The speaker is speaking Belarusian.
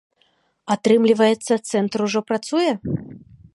Атрымліваецца, цэнтр ужо працуе?